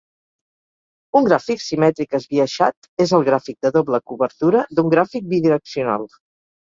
Un gràfic simètric esbiaixat és el gràfic de doble cobertura d'un gràfic bidireccional.